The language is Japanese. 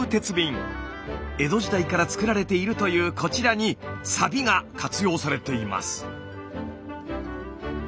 江戸時代から作られているというこちらにサビが活用されています。